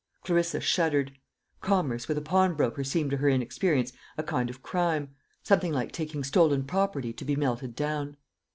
Clarissa shuddered. Commerce with a pawnbroker seemed to her inexperience a kind of crime something like taking stolen property to be melted down.